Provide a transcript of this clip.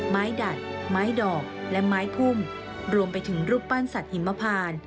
ดัดไม้ดอกและไม้พุ่มรวมไปถึงรูปปั้นสัตว์หิมพาน